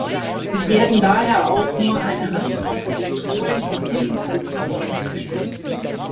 Es werden daher auch nur eine Handvoll Pistolen in diesem Kaliber produziert.